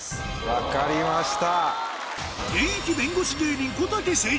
分かりました。